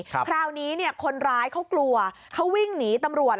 คราวนี้เนี่ยคนร้ายเขากลัวเขาวิ่งหนีตำรวจ